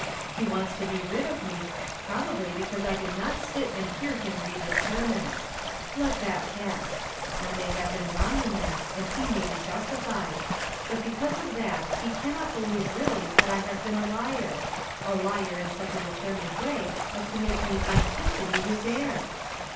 He wants to be rid of me, probably because I did not sit and hear him read the sermons. Let that pass. I may have been wrong in that, and he may be justified; but because of that he cannot believe really that I have been a liar, a liar in such a determined way as to make me unfit to be his heir."